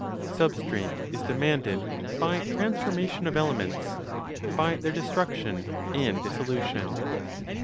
SUBSTRATE IS DEMANDED BY TRANSFORMATION OF ELEMENTS, BY THEIR DESTRUCTION AND DISSOLUTION.